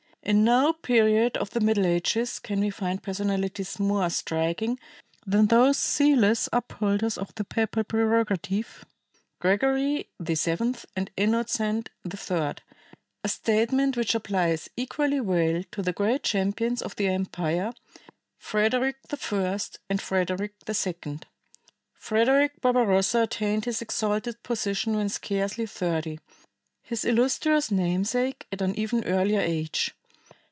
In no period of the Middle Ages can we find personalities more striking than those zealous upholders of the papal prerogative, Gregory VII and Innocent III a statement which applies equally well to the great champions of the empire, Frederick I and Frederick II. Frederick Barbarossa attained his exalted position when scarcely thirty; his illustrious namesake at an even earlier age.